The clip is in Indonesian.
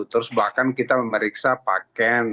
terus bahkan kita memeriksa pak ken